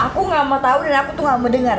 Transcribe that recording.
aku nggak mau tau dan aku tuh nggak mau denger